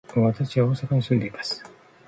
私は大阪に住んでいます。